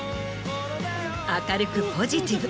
明るくポジティブ。